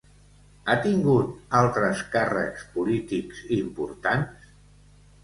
Ha tingut altres càrrecs polítics importants?